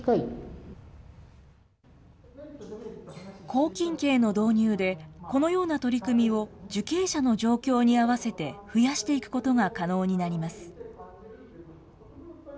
拘禁刑の導入で、このような取り組みを受刑者の状況に合わせて増やしていくことが可能になります。